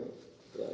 terima kasih pak